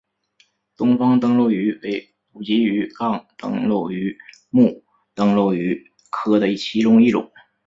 东方灯笼鱼为辐鳍鱼纲灯笼鱼目灯笼鱼科的其中一种。